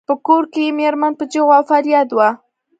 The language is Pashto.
په کور کې یې میرمن په چیغو او فریاد وه.